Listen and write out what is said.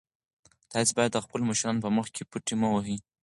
تاسي باید د خپلو مشرانو په مخ کې پټې مه وهئ.